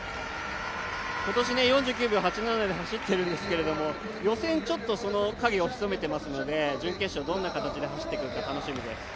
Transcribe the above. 今年４９秒８７で走ってるんですけど予選、ちょっとその影を潜めてますので準決勝、どんな形で走ってくるか楽しみです。